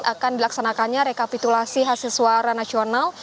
akan dilaksanakannya rekapitulasi hasil suara nasional